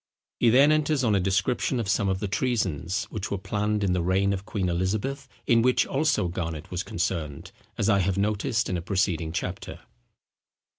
He then enters on a description of some of the treasons, which were planned in the reign of Queen Elizabeth, in which also Garnet was concerned, as I have noticed in a preceding chapter.